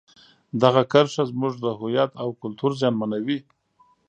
دغه کرښه زموږ د هویت او کلتور زیانمنوي.